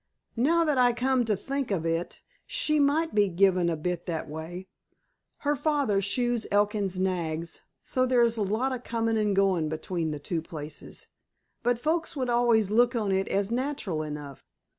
"Now that I come to think of it, she might be given a bit that way. Her father shoes Elkin's nags, so there's a lot of comin' an' goin' between the two places. But folks would always look on it as natural enough.